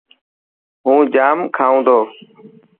هون ڄام کائون تو.